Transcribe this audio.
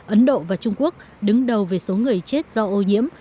ấn độ và trung quốc đứng đầu về số người chết do ô nhiễm